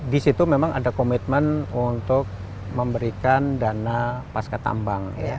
di situ memang ada komitmen untuk memberikan dana pasca tambang